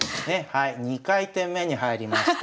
２回転目に入りました。